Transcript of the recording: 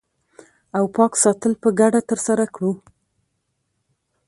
او پاک ساتل په ګډه ترسره کړو